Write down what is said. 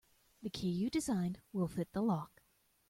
The key you designed will fit the lock.